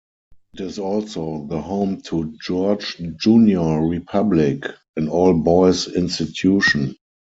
It is also the home to George Junior Republic, an all-boys institution.